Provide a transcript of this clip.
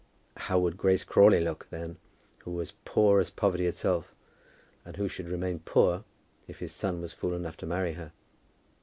How would Grace Crawley look, then, who was poor as poverty itself, and who should remain poor, if his son was fool enough to marry her?